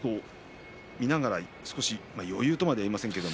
見ながら余裕とまでは言いませんが。